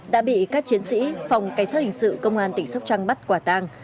đã bị các chiến sĩ phòng cảnh sát hình sự công an tỉnh sóc trăng bắt quả tàng